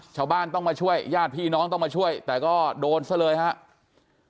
ชาวบ้านต้องมาช่วยญาติพี่น้องต้องมาช่วยแต่ก็โดนซะเลยครับ